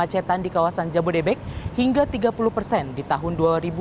kemacetan di kawasan jabodebek hingga tiga puluh persen di tahun dua ribu dua puluh